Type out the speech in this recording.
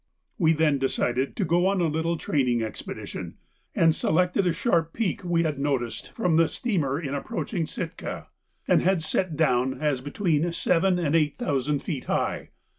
We then decided to go on a little training expedition, and selected a sharp peak we had noticed from the steamer in approaching Sitka, and had set down as between seven and eight thousand feet high.